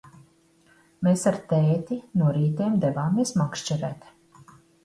Mēs ar tēti no rītiem devāmies makšķerēt.